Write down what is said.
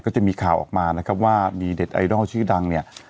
จะมีข่าวออกมานะครับว่ามีเด็ดไอดอลชื่อดังเนี่ย